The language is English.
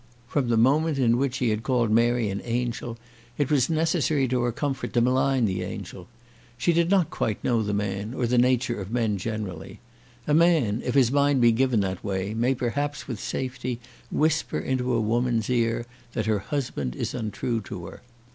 From the moment in which he had called Mary an angel, it was necessary to her comfort to malign the angel. She did not quite know the man, or the nature of men generally. A man, if his mind be given that way, may perhaps with safety whisper into a woman's ear that her husband is untrue to her.